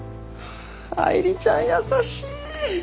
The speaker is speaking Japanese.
愛梨ちゃん優しい！